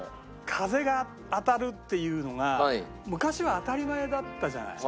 風が当たるっていうのが昔は当たり前だったじゃない。